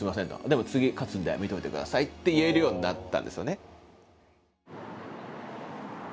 でも次勝つんで見といてください」って言えるようになったんですよね。